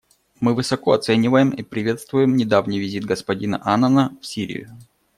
Мы высоко оцениваем и приветствуем недавний визит господина Аннана в Сирию.